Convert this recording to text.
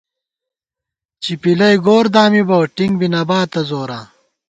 چپِلئی گور دامِبہ ، ٹِنگ بی نہ باتہ زوراں